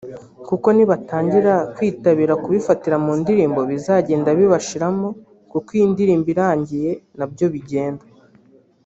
kuko nibatangira kwitabira kubifatira mu ndirimbo bizagenda bibashiramo kuko iyi indirimbo irangiye nabyo bigenda